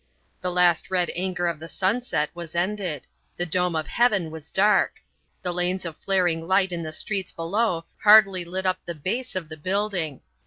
The last red anger of the sunset was ended; the dome of heaven was dark; the lanes of flaring light in the streets below hardly lit up the base of the building.